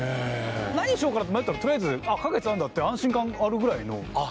何しようかなって迷ったらとりあえず花月あるんだって安心感あるぐらいのあっ